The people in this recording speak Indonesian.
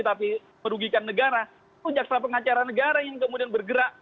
tapi merugikan negara pun jaksa pengacara negara yang kemudian bergerak